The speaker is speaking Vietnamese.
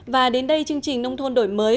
và đến đây chương trình nông thôn đổi mới